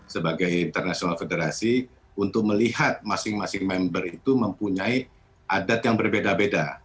sebagai international federasi untuk melihat masing masing member itu mempunyai adat yang berbeda beda